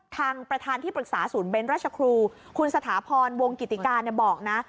ทางประธานที่ปรึกษาศูนย์เบ้นราชครูคุณสถาพรวงกิติการบอกนะ